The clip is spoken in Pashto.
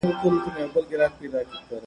مور مې اوس د مېلمنو لپاره چای چمتو کوي.